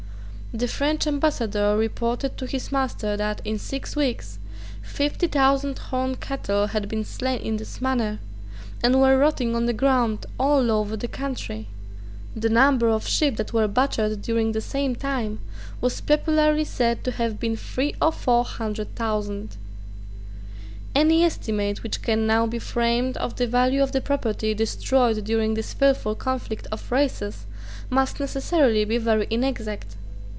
The French ambassador reported to his master that, in six weeks, fifty thousand horned cattle had been slain in this manner, and were rotting on the ground all over the country. The number of sheep that were butchered during the same time was popularly said to have been three or four hundred thousand, Any estimate which can now be framed of the value of the property destroyed during this fearful conflict of races must necessarily be very inexact.